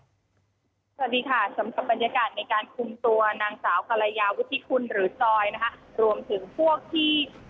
สวัสดีค่ะสำหรับบรรยากาศในการคุมตัวนางสาวกะละยาวุฒิคุณหรือจอย